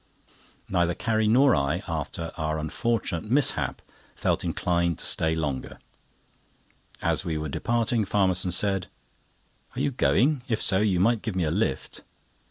Neither Carrie nor I, after our unfortunate mishap, felt inclined to stay longer. As we were departing, Farmerson said: "Are you going? if so, you might give me a lift."